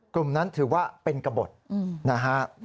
กลุ่มนั้นถือว่าเป็นกระบดนะฮะ